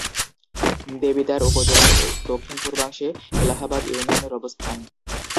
দেবিদ্বার উপজেলার দক্ষিণ-পূর্বাংশে এলাহাবাদ ইউনিয়নের অবস্থান।